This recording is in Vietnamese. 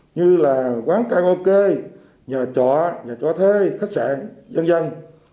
như là quán karaoke nhà chọa nhà chọa thê khách sạn dân dân